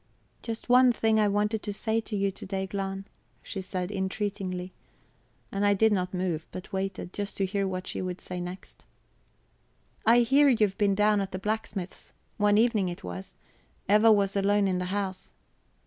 "Just one thing I wanted to say to you to day, Glahn," she said entreatingly. And I did not move, but waited, just to hear what she would say next. "I hear you have been down at the blacksmith's. One evening it was. Eva was alone in the house."